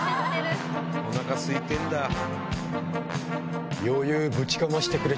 お腹すいてんだ。